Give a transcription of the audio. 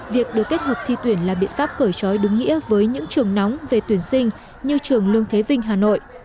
việc được kết hợp thi tuyển là biện pháp cởi trói đúng nghĩa với những trường nóng về tuyển sinh như trường lương thế vinh hà nội